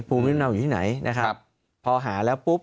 ภูมิลำเนาอยู่ที่ไหนนะครับพอหาแล้วปุ๊บ